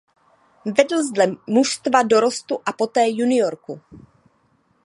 Vedl zde mužstva dorostu a poté Juniorku.